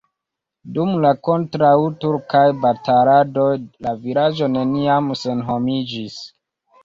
Dum la kontraŭturkaj bataladoj la vilaĝo neniam senhomiĝis.